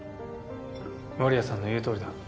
守屋さんの言うとおりだ。